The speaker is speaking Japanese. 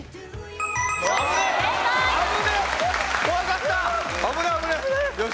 怖かった！